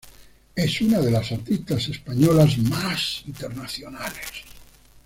Es una de las artistas españolas más internacionales.